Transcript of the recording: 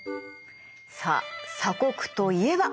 さあ鎖国といえば？